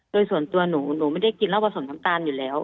โดยส่วนตัวหนูหนูไม่ได้กินเหล้าผสมน้ำตาลอยู่แล้ว